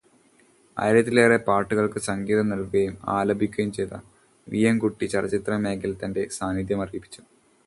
ആയിരത്തിലേറെ പാട്ടുകൾക്ക് സംഗീതം നൽകുകയും ആലപിക്കുകയും ചെയ്ത വി എം കുട്ടി ചലച്ചിത്ര മേഖലയിലും തന്റെ സാന്നിധ്യമറിയിച്ചു.